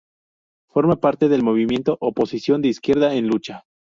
Forma parte del movimiento Oposición de Izquierda en Lucha.